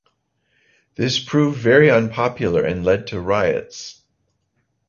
This proved very unpopular, and led to riots.